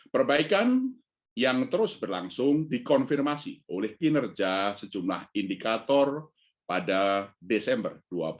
perbaikan yang terus berlangsung dikonfirmasi oleh kinerja sejumlah indikator pada desember dua ribu dua puluh